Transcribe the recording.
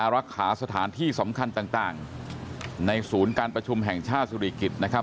รักษาสถานที่สำคัญต่างในศูนย์การประชุมแห่งชาติสุริกิจนะครับ